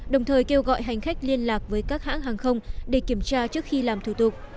đồng thời kêu gọi hành khách liên lạc với các hãng hàng không để kiểm tra trước khi làm thủ tục